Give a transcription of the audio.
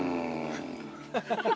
「ハハハハ！」